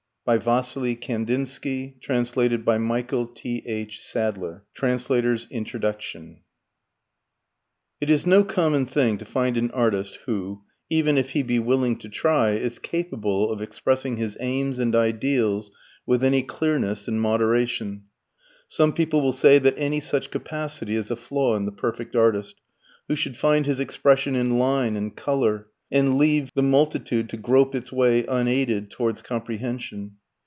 29 (1912) "Composition No. 2 (1910) "Kleine Freuden" (1913) TRANSLATOR'S INTRODUCTION It is no common thing to find an artist who, even if he be willing to try, is capable of expressing his aims and ideals with any clearness and moderation. Some people will say that any such capacity is a flaw in the perfect artist, who should find his expression in line and colour, and leave the multitude to grope its way unaided towards comprehension.